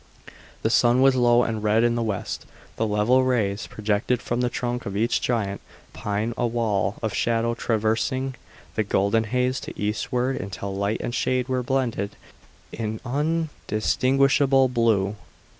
The sun was low and red in the west; the level rays projected from the trunk of each giant pine a wall of shadow traversing the golden haze to eastward until light and shade were blended in undistinguishable blue.